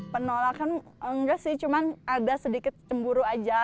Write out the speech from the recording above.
penolakan enggak sih cuma ada sedikit cemburu aja